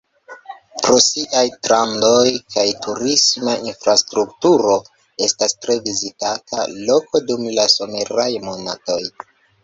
Pro siaj strandoj kaj turisma infrastrukturo estas tre vizitata loko dum la someraj monatoj.